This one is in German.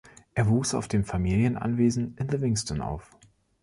Er wuchs auf dem Familienanwesen in Livingston auf.